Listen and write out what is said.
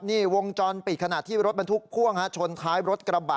นี่วงจรปิดขณะที่รถบรรทุกพ่วงชนท้ายรถกระบะ